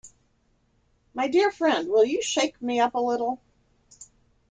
My dear friend, will you shake me up a little?